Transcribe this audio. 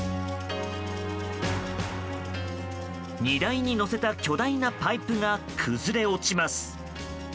荷台に載せた巨大なパイプが崩れ落ちます。